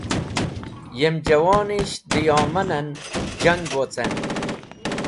Yem juwonisht dẽ yoman en jang wocen.